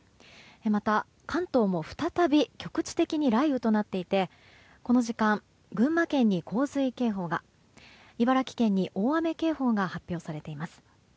また、関東も再び局地的に雷雨となっていてこの時間、群馬県に洪水警報が茨城県に大雨警報が発表されています。